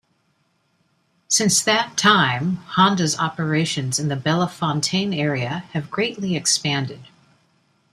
Since that time, Honda's operations in the Bellefontaine area have greatly expanded.